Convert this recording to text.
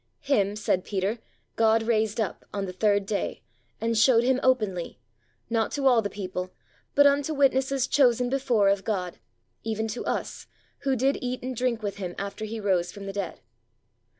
"Him," said Peter, "God raised up on the third day, and showed him openly; not to all the people, but unto witnesses chosen before of God, even to us, who did eat and drink with him after he rose from the dead."